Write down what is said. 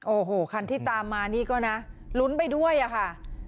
โอ้โหคันที่ตามมานี่ก็นะลุ้นไปด้วยอะค่ะ